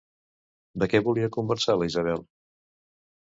De què volia conversar la Isabel?